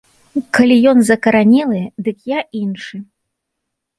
Калі ён закаранелы, дык я іншы.